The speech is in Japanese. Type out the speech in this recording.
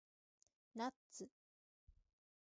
ナッツ